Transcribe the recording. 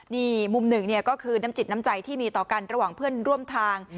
นี่มุมหนึ่งก็คือน้ำจิตน้ำใจที่มีต่อกันระหว่างเพื่อนร่วมทาง